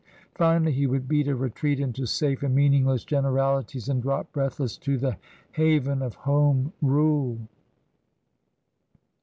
Finally he would beat a retreat into safe and meaningless generalities and drop breathless to the haven of Home Rule.